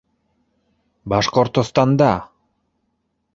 Башҡортостанда!